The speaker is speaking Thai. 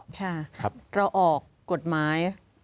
เราออกกฎหมาย